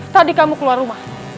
tadi kamu keluar rumah